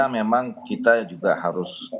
memang kita juga harus